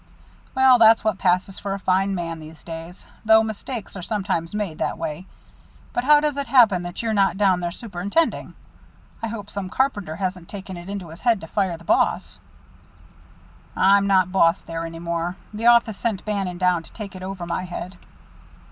"Well, that's what passes for a fine man, these days, though mistakes are sometimes made that way. But how does it happen that you're not down there superintending? I hope some carpenter hasn't taken it into his head to fire the boss." "I'm not boss there any longer. The office sent Bannon down to take it over my head."